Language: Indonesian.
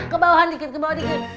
kebawahan dikit kebawahan dikit